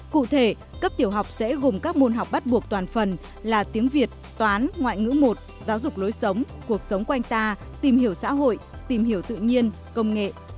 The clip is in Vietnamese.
cụ thể cấp tiểu học sẽ gồm các môn học bắt buộc toàn phần là tiếng việt toán ngoại ngữ một giáo dục lối sống cuộc sống quanh ta tìm hiểu xã hội tìm hiểu tự nhiên công nghệ